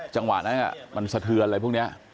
จังหวะนั้นมันสะเทือนอะไรพวกนี้